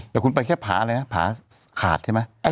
แต่คุณไปแค่ผาอะไรนะผาขาดใช่ไหม